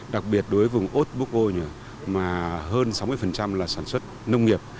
đặc biệt đối với vùng haute bougo mà hơn sáu mươi là sản xuất nông nghiệp